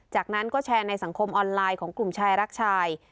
จากนั้นก็แชร์ในสังคมออนไลน์ของกลุ่มชายรักชาย